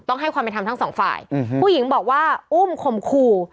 ต้องให้ความเป็นทำทั้งสองฝ่ายอืมผู้หญิงบอกว่าอุ้มขมครู